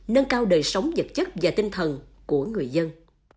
nâng cao đời sống vật chất và tinh thần của người dân